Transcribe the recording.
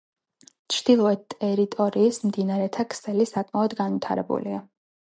ჩრდილოეთ ტერიტორიის მდინარეთა ქსელი საკმაოდ განვითარებულია.